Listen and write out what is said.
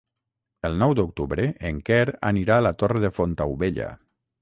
El nou d'octubre en Quer anirà a la Torre de Fontaubella.